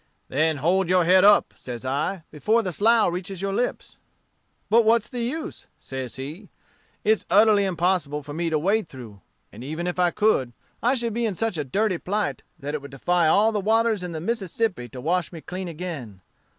"'Then hold your head up,' says I, 'before the slough reaches your lips.' "'But what's the use?' says he: 'it's utterly impossible for me to wade through; and even if I could, I should be in such a dirty plight, that it would defy all the waters in the Mississippi to wash me clean again.